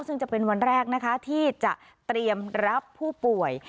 ซึ่งจะเป็นวันแรกนะคะที่จะเตรียมรับผู้ป่วย